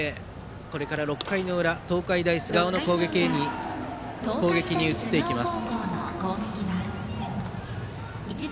これから６回の裏東海大菅生の攻撃に移ります。